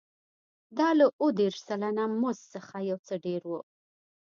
دا له اووه دېرش سلنه مزد څخه یو څه ډېر و